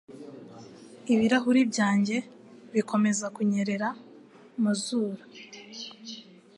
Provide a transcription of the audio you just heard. Ibirahuri byanjye bikomeza kunyerera mu zuru.